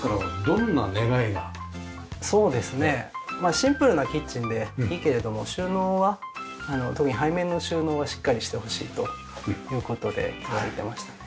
シンプルなキッチンでいいけれども収納は特に背面の収納はしっかりしてほしいという事で聞いてましたね。